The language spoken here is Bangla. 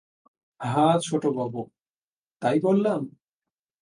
হা ছোটবাবু, তাই বললাম?